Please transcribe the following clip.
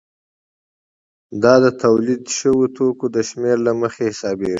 دا د تولید شویو توکو د شمېر له مخې حسابېږي